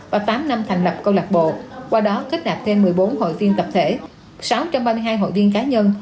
và tám năm thành lập câu lạc bộ qua đó kết nạp thêm một mươi bốn hội viên tập thể sáu trăm ba mươi hai hội viên cá nhân